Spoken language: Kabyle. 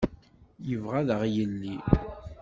Yebɣa ad yaɣ yelli.